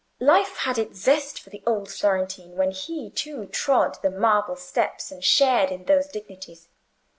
Life had its zest for the old Florentine when he, too, trod the marble steps and shared in those dignities.